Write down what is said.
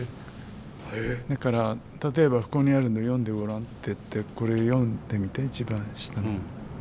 だから例えばここにあるの読んでごらんって言ってこれ読んでみて一番下の。